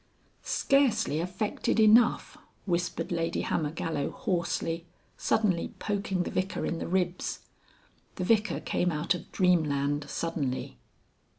"Scarcely affected enough," whispered Lady Hammergallow hoarsely, suddenly poking the Vicar in the ribs. The Vicar came out of Dreamland suddenly.